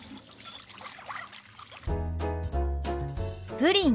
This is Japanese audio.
「プリン」。